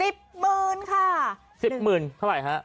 ๑๐๐๐๐บาทค่ะ๑๐๐๐๐เป็นไหมคะ